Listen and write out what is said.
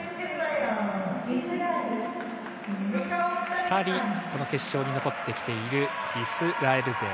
２人決勝に残ってきているイスラエル勢。